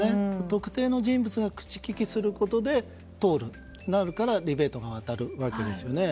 特定の人物が口利きすることで通るとなるからリベートが回るんですよね。